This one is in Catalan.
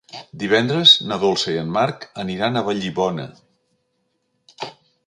Divendres na Dolça i en Marc aniran a Vallibona.